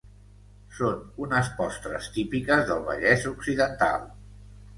Són unes postres típiques del Vallès occidental.